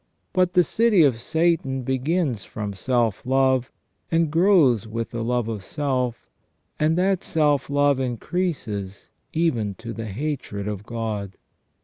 But the City of Satan begins from self love and grows with the love of self, and that self love increases even to the hatred of God.